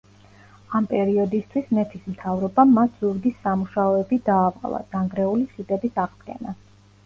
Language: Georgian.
ამ პერიოდისთვის მეფის მთავრობამ მათ ზურგის სამუშაოები დაავალა, დანგრეული ხიდების აღდგენა.